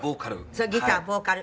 ギター・ボーカル。